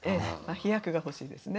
飛躍が欲しいですね。